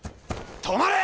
止まれ！